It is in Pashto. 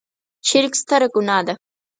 شرک ستره ګناه ده.